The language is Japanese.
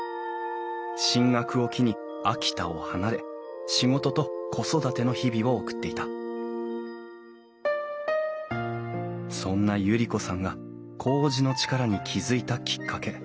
進学を機に秋田を離れ仕事と子育ての日々を送っていたそんな百合子さんがこうじの力に気付いたきっかけ。